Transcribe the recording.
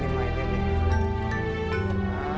kamu ikutan juga nih lemparin ke bonekanya